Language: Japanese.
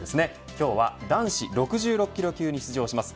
今日は男子６６キロ級に出場します